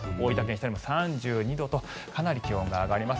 日田でも３２度とかなり気温が上がります。